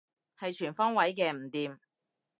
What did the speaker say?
係全方位嘅唔掂